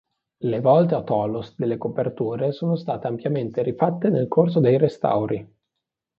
Le volte a tholos delle coperture sono state ampiamente rifatte nel corso dei restauri.